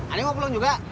aduh mau pulang juga